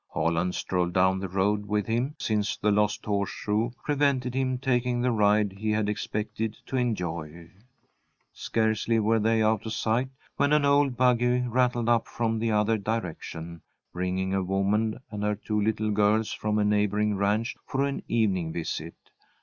Holland strolled down the road with him, since the lost horseshoe prevented him taking the ride he had expected to enjoy. Scarcely were they out of sight when an old buggy rattled up from the other direction, bringing a woman and her two little girls from a neighbouring ranch for an evening visit.